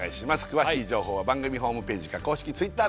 詳しい情報は番組ホームページか公式Ｔｗｉｔｔｅｒご覧ください